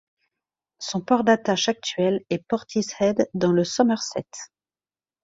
Son port d'attache actuel est Portishead dans le Somerset.